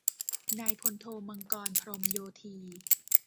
นายพลโท มังกร พรหมโยธี